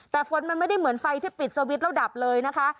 แต่ฝนมันไม่ได้เหมือนไฟที่ปิดสวิตช์แล้วดับเลยนะคะ